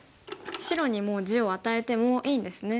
白にもう地を与えてもいいんですね。